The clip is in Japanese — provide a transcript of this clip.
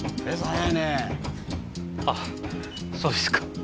速いねあっそうですか？